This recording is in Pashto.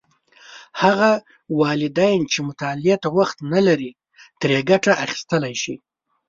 هغه والدین چې مطالعې ته وخت نه لري، ترې ګټه اخیستلی شي.